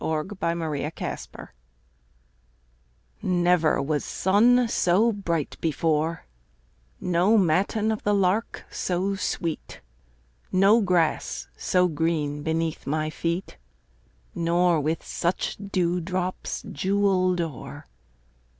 A SUMMER MORNING Never was sun so bright before, No matin of the lark so sweet, No grass so green beneath my feet, Nor with such dewdrops jewelled o'er.